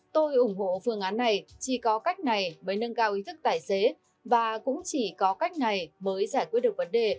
tôi ủng hộ phương án này chỉ có cách này mới nâng cao ý thức tài xế và cũng chỉ có cách này mới giải quyết được vấn đề